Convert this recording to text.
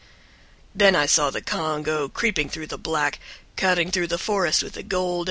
# THEN I SAW THE CONGO, CREEPING THROUGH THE BLACK, CUTTING THROUGH THE FOREST WITH A GOLDEN TRACK.